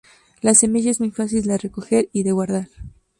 La semilla es muy fácil de recoger y de guardar.